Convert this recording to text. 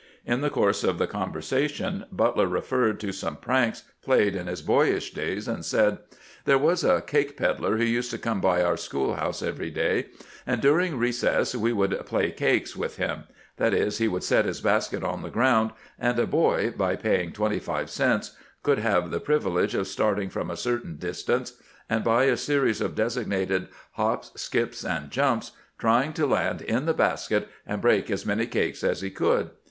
In the course of the conversation Butler referred to some pranks played in his boyish days, and said :" There was a cake peddler who used to come by our school house every day, and during recess we would ' play cakes ' with him ; that is, he would set his basket on the ground, and a boy, by paying twenty five cents, could have the priv ilege of starting from a certain distance, and by a series of designated hops, skips, and jumps, trying to land in the basket and break as many cakes as he could.